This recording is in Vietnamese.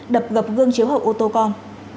đập gập gương chiếu hậu ô tô con